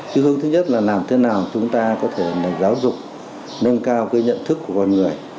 cái hướng thứ nhất là làm thế nào chúng ta có thể là giáo dục nâng cao cái nhận thức của con người